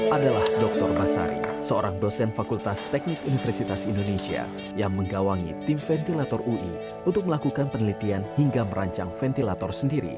adalah dr basari seorang dosen fakultas teknik universitas indonesia yang menggawangi tim ventilator ui untuk melakukan penelitian hingga merancang ventilator sendiri